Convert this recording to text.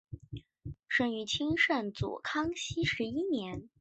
生于清圣祖康熙十一年。